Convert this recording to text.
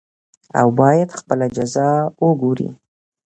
او بايد خپله جزا وګوري .